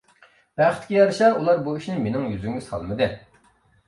بەختكە يارىشا ئۇلار بۇ ئىشنى مېنىڭ يۈزۈمگە سالمىدى.